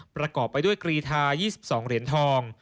ประกอบไปด้วยกรีทา๒๒เหรียญทอง